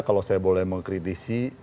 kalau saya boleh mengkritisi